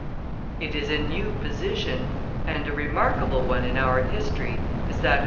It is a new position, and a remarkable one in our history is that of M.